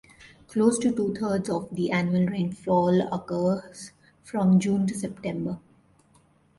Close to two-thirds of the annual rainfall occurs from June to September.